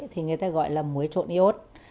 thì người ta gọi là mối trộn iốt